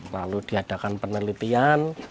lalu diadakan penelitian